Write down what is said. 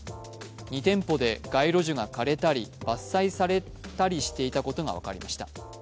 ２店舗で街路樹が枯れたり伐採されたりしていたことが分かりました。